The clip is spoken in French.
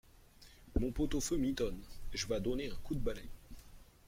Mon pot-au-feu mitonne… j’vas donner un coup de balai.